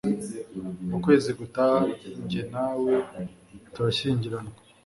mukwezi gutaha njye nawe turashyingiranwa.